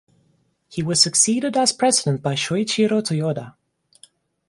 He was succeeded as president by Shoichiro Toyoda.